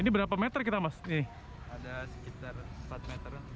ini berapa meter kita maksudnya ada sekitar empat meter